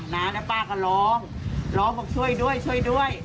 นะแล้วป้าก็ร้องร้องบอกช่วยด้วย